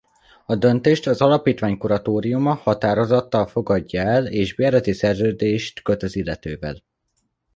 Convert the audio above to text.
A döntést az alapítvány kuratóriuma határozattal fogadja el és bérleti szerződést köt az illetővel.